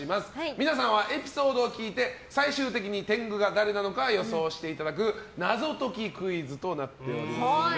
皆さんはエピソードを聞いて最終的に天狗が誰なのか予想していただく謎解きクイズとなっておりますので